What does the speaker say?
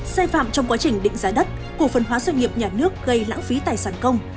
xe phạm trong quá trình định giá đất của phân hóa doanh nghiệp nhà nước gây lãng phí tài sản công